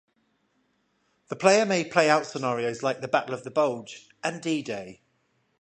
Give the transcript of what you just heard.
The player may play out scenarios like the Battle of the Bulge and D-Day.